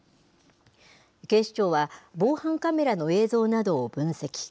警視庁は、防犯カメラの映像などを分析。